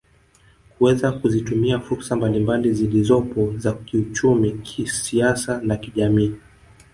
Kuweza kuzitumia fursa mbalimbali zilizopo za kiuchumi kisiasa na kijamii